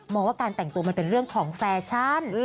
ว่าการแต่งตัวมันเป็นเรื่องของแฟชั่น